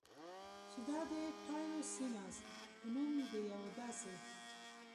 چې دا د ټایروسیناز په نوم د یوه داسې